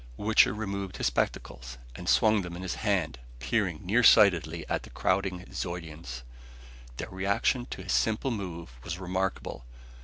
Wichter removed his spectacles, and swung them in his hand, peering near sightedly at the crowding Zeudians. Their reaction to his simple move was remarkable!